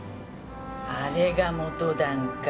あれが元ダンか。